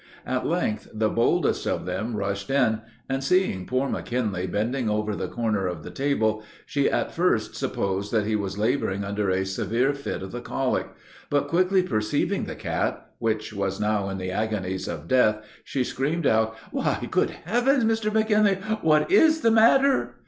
At length, the boldest of them rushed in, and, seeing poor McKinley bending ever the corner of the table, she at first supposed that he was laboring under a severe fit of the colic; but quickly perceiving the cat, which was now in the agonies of death, she screamed out, "Why, good heavens, Mr. McKinley, what is the matter?"